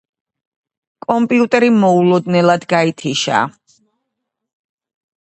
კომპიუტერი მოულოდნელად გაითიშა.